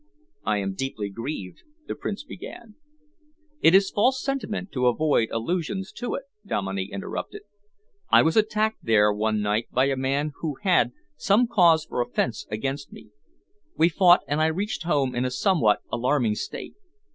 "I am deeply grieved," the Prince began "It is false sentiment to avoid allusions to it," Dominey interrupted. "I was attacked there one night by a man who had some cause for offence against me. We fought, and I reached home in a somewhat alarming state.